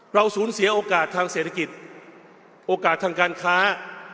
เราสูญเสียโอกาสทางเศรษฐกิจโอกาสทางการค้า